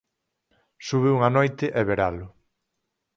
Sube unha noite e veralo.